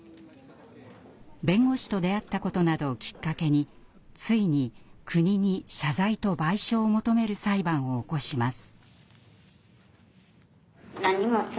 弁護士と出会ったことなどをきっかけについに国に謝罪と賠償を求める裁判を起こします。